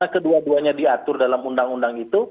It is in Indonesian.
kedua duanya diatur dalam undang undang itu